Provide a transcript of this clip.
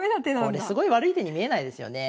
これすごい悪い手に見えないですよね。